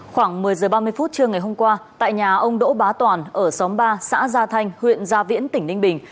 khoảng một mươi h ba mươi phút trưa ngày hôm qua tại nhà ông đỗ bá toàn ở xóm ba xã gia thanh huyện gia viễn tỉnh ninh bình